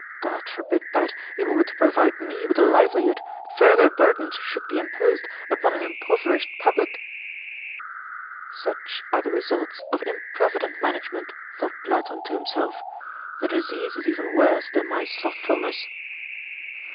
God forbid that, in order to provide me with a livelihood further burdens should be imposed upon an impoverished public!" "Such are the results of improvident management!" thought Platon to himself. "The disease is even worse than my slothfulness."